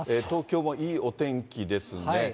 東京もいいお天気ですね。